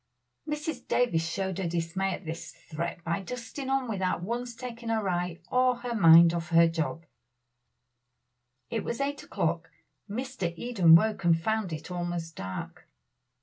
Mrs. Davies showed her dismay at this threat by dusting on without once taking her eye or her mind off her job. It was eight o'clock. Mr. Eden woke and found it almost dark.